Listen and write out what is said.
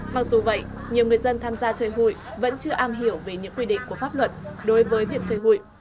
mặc dù vậy nhiều người dân tham gia chơi hụi vẫn chưa am hiểu về những quy định của pháp luật đối với việc chơi hụi